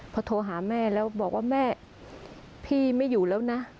พอโทรหาแม่แล้วบอกว่าแม่พี่ไม่อยู่แล้วนะ